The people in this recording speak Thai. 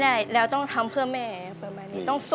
กระแซะเข้ามาสิ